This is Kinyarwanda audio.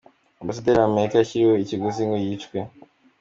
Ambasaderi wa Amerika yashyiriweho ikiguzi ngo yicwe